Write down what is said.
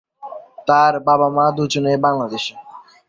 তার বাবা-মা দুজনেই বাংলাদেশী।